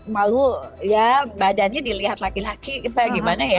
malu ya badannya dilihat laki laki kita gimana ya